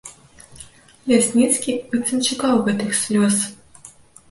Лясніцкі быццам чакаў гэтых слёз.